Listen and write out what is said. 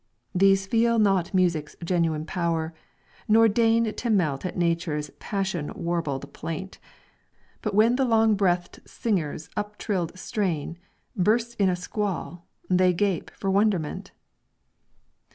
"These feel not music's genuine power, nor deign To melt at nature's passion warbled plaint; But when the long breath'd singer's up trilled strain Bursts in a squall they gape for wonderment."